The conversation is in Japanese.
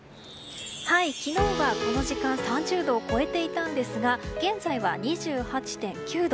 昨日はこの時間３０度を超えていたんですが現在は２８．９度。